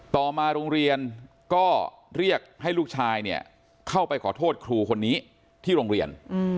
ต่อมาโรงเรียนก็เรียกให้ลูกชายเนี่ยเข้าไปขอโทษครูคนนี้ที่โรงเรียน